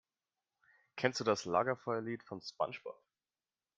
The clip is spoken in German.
Kennst du das Lagerfeuerlied von SpongeBob?